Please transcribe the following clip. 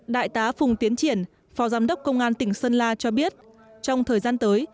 đại tá phùng tiến triển phó giám đốc công an tỉnh sơn la cho biết trong thời gian tới